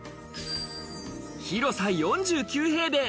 広さ４９平米。